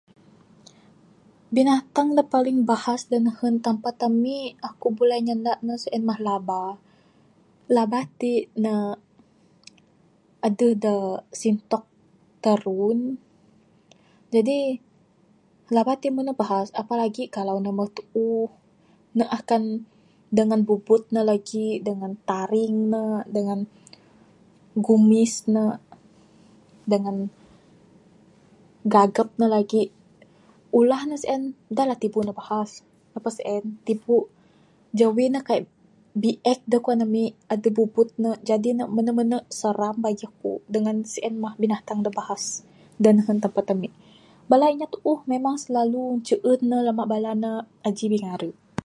Binatang da paling bahas da nehun tampat amik, akuk buleh nyanda ne sien mah laba. Laba tik ne aduh da sintok tarun. Jadi, laba tik menu menu bahas. Apa lagi kalau ne moh tuuh. Ne akan dengan bubut ne lagi', dengan taring ne. Dengan gumis ne. Dengan gagap ne lagi'. Ulah ne sien, dah la tibu ne bahas. Lepas sien, tibu, jawi ne kai bi'ek da kuwan ami, aduh gugut ne. Jadi ne menu menu seram bagi akuk. Dengan sien mah binatang da bahas da nehun tempat amik. Bala inya tuuh memang slalu nce'un ne lamak bala ne aji bingaru'.